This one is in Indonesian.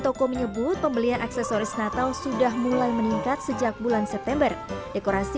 toko menyebut pembelian aksesoris natal sudah mulai meningkat sejak bulan september dekorasi